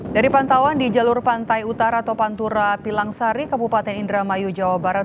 dari pantauan di jalur pantai utara atau pantura pilang sari kabupaten indramayu jawa barat